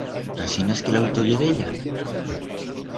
Asinas que l'auto ye d'ella?